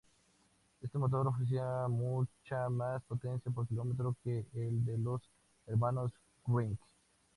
Este motor ofrecía mucha más potencia por kilo que el de los hermanos Wright.